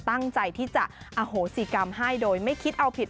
ตั้งใจที่จะอโหสิกรรมให้โดยไม่คิดเอาผิด